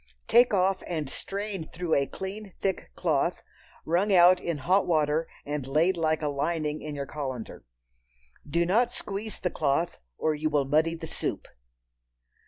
Take off and strain through a clean thick cloth, wrung out in hot water and laid like a lining in your colander. Do not squeeze the cloth, or you will muddy the soup.